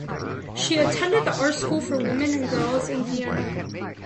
She attended the Art School for Women and Girls in Vienna.